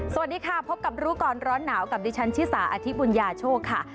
สวัสดีค่ะพบกับรู้ก่อนร้อนหนาวกับดิฉันชิสาอธิบุญญาโชคค่ะ